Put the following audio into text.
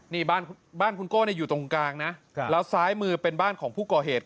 นี่บ้านคุณโก้อยู่ตรงกลางนะแล้วซ้ายมือเป็นบ้านของผู้ก่อเหตุ